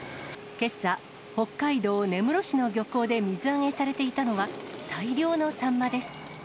けさ、北海道根室市の漁港で水揚げされていたのは、大量のサンマです。